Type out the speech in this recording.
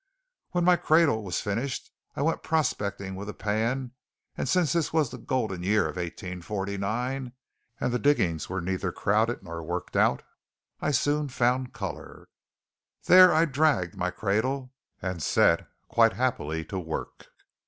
When my cradle was finished, I went prospecting with a pan; and since this was that golden year 1849, and the diggings were neither crowded nor worked out, I soon found 'colour.' There I dragged my cradle, and set quite happily to work.